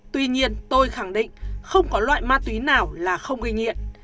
tuy nhiên tôi khẳng định không có loại ma túy nào là không gây nghiện